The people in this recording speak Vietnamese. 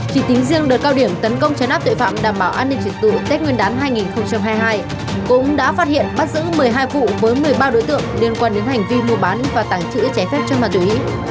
chỉ tính riêng đợt cao điểm tấn công chấn áp tội phạm đảm bảo an ninh trật tự tết nguyên đán hai nghìn hai mươi hai cũng đã phát hiện bắt giữ một mươi hai vụ với một mươi ba đối tượng liên quan đến hành vi mua bán và tàng trữ trái phép chân ma túy